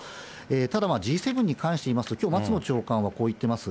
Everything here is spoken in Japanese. ただ、Ｇ７に関してはきょう松野長官はこう言ってます。